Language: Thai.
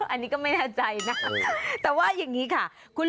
อันนี้ก็ไม่แน่ใจนะ